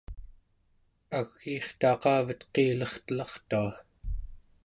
agiirtaqavet qiilertelartua